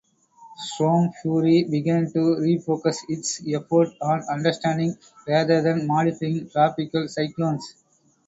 Stormfury began to refocus its efforts on understanding, rather than modifying, tropical cyclones.